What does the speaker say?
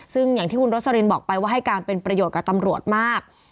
ซึ่งอย่างที่คุณโรสลินบอกไปว่าให้การเป็นประโยชน์กับตำรวจมาก